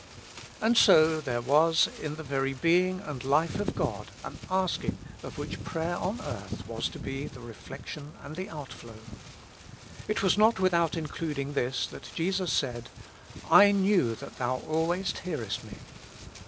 And so there was in the very Being and Life of God an asking of which prayer on earth was to be the reflection and the out flow. It was not without including this that Jesus said, *' I knew that Thou always hearest me."